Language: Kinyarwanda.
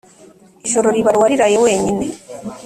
Ijoro ribara uwariraye wenyine